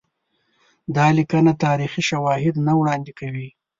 دا لیکنه تاریخي شواهد نه وړاندي کوي.